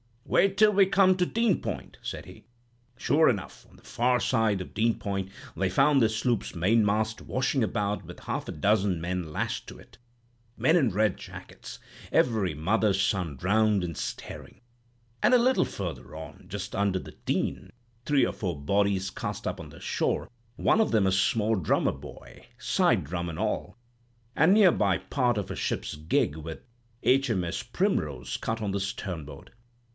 'Wait till we come to Dean Point,' said he. Sure enough, on the far side of Dean Pont they found the sloop's mainmast washing about with half a dozen men lashed to it, men in red jackets, every mother's son drowned and staring; and a little further on, just under the Dean, three or four bodies cast up on the shore, one of them a small drummer boy, side drum and all; and near by part of a ship's gig, with 'H.M.S. Primrose' cut on the stern board.